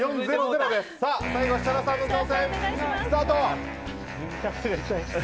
最後、設楽さんの挑戦スタート！